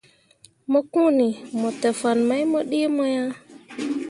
Mo kõoni mo te fah mai mu ɗii mo ah.